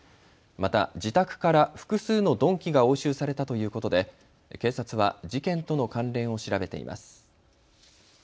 また自宅から複数の鈍器が押収されたということで警察は事件との関連を調べています。